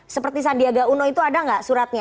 seperti sandiaga uno itu ada nggak suratnya